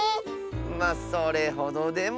まあそれほどでも。